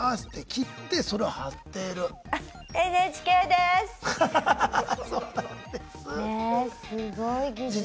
すごい技術。